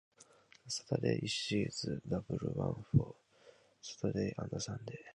The Saturday issue is a double one, for Saturday and Sunday.